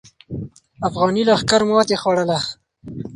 افغاني لښکر ماتې خوړله.